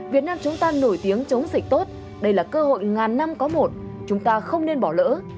việt nam chúng ta nổi tiếng chống dịch tốt đây là cơ hội ngàn năm có một chúng ta không nên bỏ lỡ